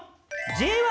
Ｊ１？